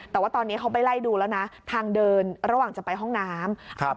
แต่ว่าตอนนี้เขาไปไล่ดูแล้วนะทางเดินระหว่างจะไปห้องน้ำ